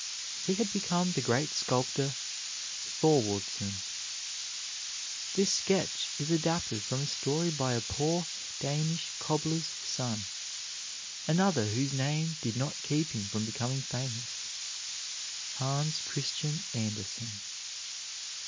He had become the great sculptor Thorwald_sen_. This sketch is adapted from a story by a poor Danish cobbler's son, another whose name did not keep him from becoming famous, Hans Christian Ander_sen_.